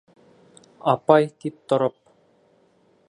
Апай, тип тороп!..